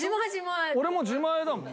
俺も自前だもん。